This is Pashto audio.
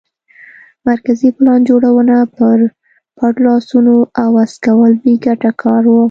مرکزي پلان جوړونه پر پټ لاسونو عوض کول بې ګټه کار و